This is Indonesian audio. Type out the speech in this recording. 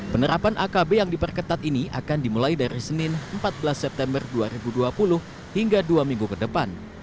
penerapan akb yang diperketat ini akan dimulai dari senin empat belas september dua ribu dua puluh hingga dua minggu ke depan